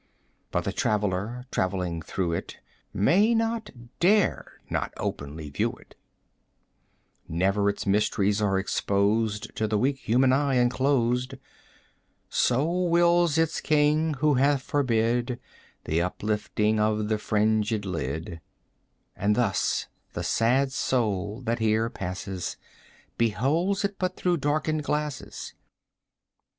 But the traveller, travelling through it, May not dare not openly view it; Never its mysteries are exposed 45 To the weak human eye unclosed; So wills its King, who hath forbid The uplifting of the fringéd lid; And thus the sad Soul that here passes Beholds it but through darkened glasses.